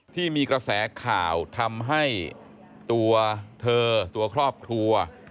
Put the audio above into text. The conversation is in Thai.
ที่มีกระแสข่าวทำให้ตัวเธอตัวครอบครัว